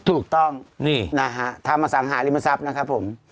ถูกต้องทำอสังหาริมทรัพย์นะครับผม